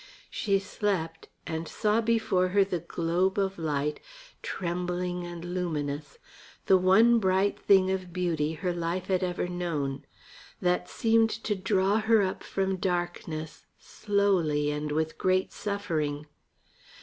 She slept, and saw before her the globe of light, trembling and luminous, the one bright thing of beauty her life had ever known, that seemed to draw her up from darkness slowly and with great suffering.